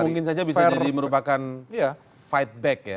itu mungkin saja bisa jadi merupakan fight back ya